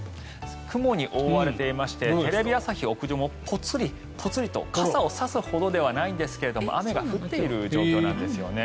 雲に覆われていましてテレビ朝日屋上もポツリ、ポツリと傘を差すほどではないですが雨が降っている状況なんですよね。